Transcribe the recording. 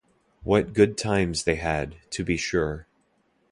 What good times they had, to be sure!